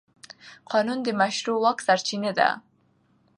قانون د مشروع واک سرچینه ده.